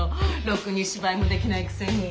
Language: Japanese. ロクに芝居もできないくせに。